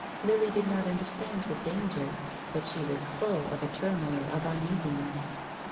Lily did not understand her danger, but she was full of a turmoil of uneasiness.